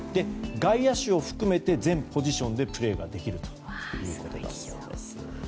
外野手を含めて全ポジションでプレーができるということです。